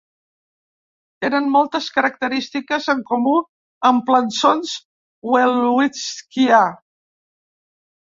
Tenen moltes característiques en comú amb plançons welwítsquia.